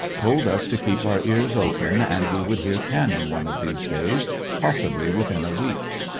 Told us to keep our ears open and we would hear cannon one of these days, possibly within a week.